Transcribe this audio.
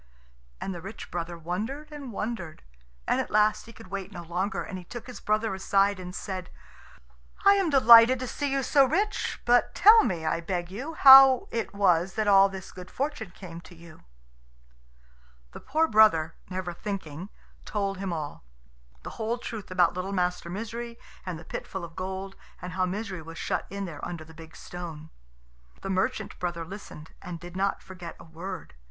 And the rich brother wondered and wondered, and at last he could wait no longer, and he took his brother aside and said, "I am delighted to see you so rich. But tell me, I beg you, how it was that all this good fortune came to you." The poor brother, never thinking, told him all the whole truth about little Master Misery and the pit full of gold, and how Misery was shut in there under the big stone. The merchant brother listened, and did not forget a word.